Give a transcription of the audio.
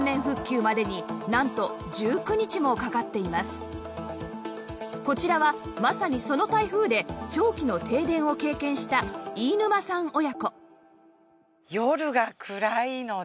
実際にこちらはまさにその台風で長期の停電を経験した飯沼さん親子